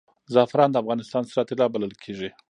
زعفران د افغانستان سره طلا بلل کیږي